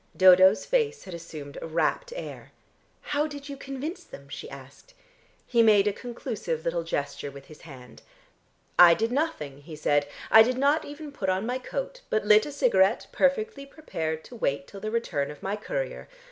Dodo's face had assumed a rapt air. "How did you convince them?" she asked. He made a conclusive little gesture with his hand. "I did nothing," he said. "I did not even put on my coat, but lit a cigarette, perfectly prepared to wait till the return of my courier.